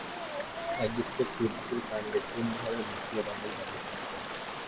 একবীজপত্রী উদ্ভিদের কাণ্ডে কোন ধরনের ভাস্কুলার বান্ডল দেখা যায়?